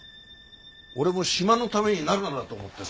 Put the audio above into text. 俺も島のためになるならと思ってさ